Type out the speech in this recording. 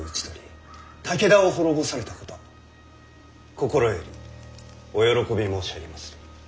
心よりお喜び申し上げまする。